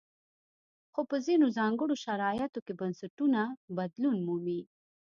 خو په ځینو ځانګړو شرایطو کې بنسټونه بدلون مومي.